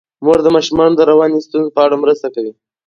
مور د ماشومانو د رواني ستونزو په اړه مرسته کوي.